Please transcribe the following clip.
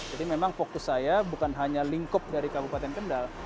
jadi memang fokus saya bukan hanya lingkup dari kabupaten kendal